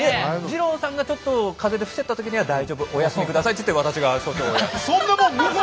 二朗さんがちょっと風邪で伏せった時には「大丈夫お休み下さい」と言って私が所長をやる。